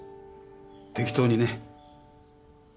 適当にね。